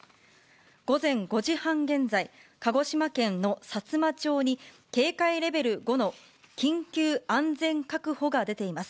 午前５時半現在、鹿児島県のさつま町に警戒レベル５の緊急安全確保が出ています。